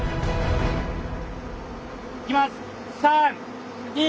いきます。